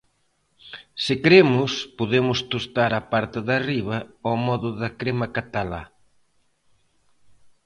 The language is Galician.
Se queremos, podemos tostar a parte de arriba ao modo da crema catalá.